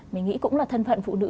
mình nghĩ cũng là thân phận phụ nữ